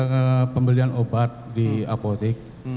ada pembelian obat di apotek